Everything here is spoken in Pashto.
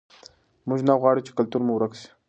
موږ نه غواړو چې کلتور مو ورک سي.